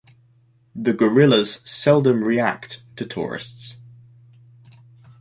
The gorillas seldom react to tourists.